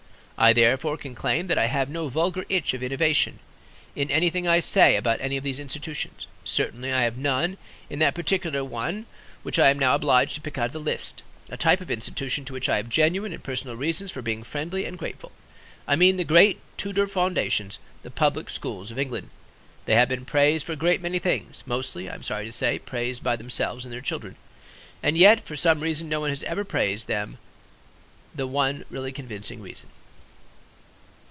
I therefore can claim that I have no vulgar itch of innovation in anything I say about any of these institutions. Certainly I have none in that particular one which I am now obliged to pick out of the list; a type of institution to which I have genuine and personal reasons for being friendly and grateful: I mean the great Tudor foundations, the public schools of England. They have been praised for a great many things, mostly, I am sorry to say, praised by themselves and their children. And yet for some reason no one has ever praised them the one really convincing reason.